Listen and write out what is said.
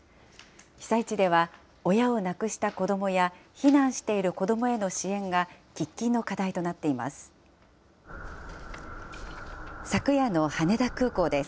被災地では、親を亡くした子どもや、避難している子どもへの支援が喫緊の課題となっています。